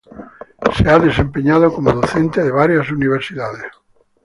Se ha desempeñado como docente en varias universidades.